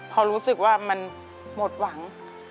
พอรู้สึกว่ามันหมดหวัง